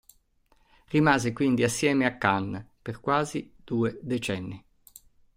Rimase quindi assieme a Khan per quasi due decenni.